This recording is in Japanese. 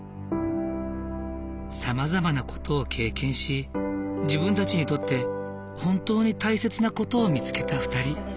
さまざまな事を経験し自分たちにとって本当に大切な事を見つけた２人。